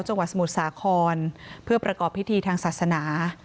จังหวัดสมุทรสาขรเพื่อประกอบพิธีทางศาสนา